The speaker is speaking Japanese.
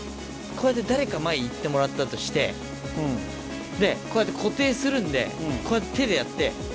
誰か前行ってもらったとしてでこうやって固定するんでこうやって手でやって。